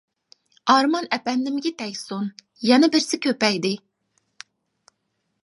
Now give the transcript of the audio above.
ئارمان ئەپەندىمگە تەگسۇن يەنە بىرسى كۆپەيدى!